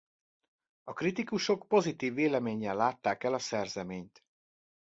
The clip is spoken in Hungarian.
A kritikusok pozitív véleménnyel látták el a szerzeményt.